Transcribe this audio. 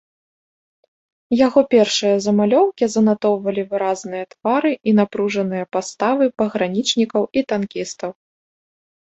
Яго першыя замалёўкі занатоўвалі выразныя твары і напружаныя паставы пагранічнікаў і танкістаў.